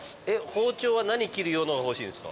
包丁は何切る用のが欲しいんですか？